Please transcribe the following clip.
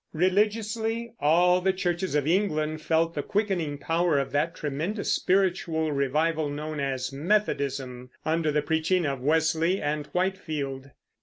Religiously, all the churches of England felt the quickening power of that tremendous spiritual revival known as Methodism, under the preaching of Wesley and Whitefield.